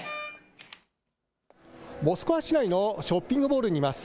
モスクワ市内のショッピングモールにいます。